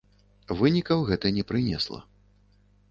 Вынікаў гэта не прынесла.